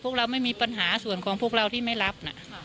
พวกเราไม่มีปัญหาส่วนของพวกเราที่ไม่รับนะ